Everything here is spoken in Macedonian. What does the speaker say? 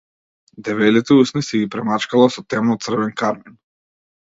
Дебелите усни си ги премачкала со темно-црвен кармин.